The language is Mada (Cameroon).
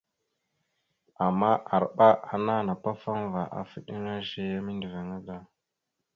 Ama arɓa ana napafaŋva afa eɗeŋa zeya mindəviŋa.